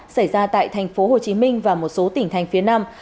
xảy ra tại tp hcm và một số tỉnh thành phía nam